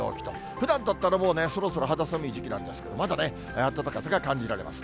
ふだんだったら、もうね、そろそろ肌寒い時期なんですけど、まだ暖かさが感じられます。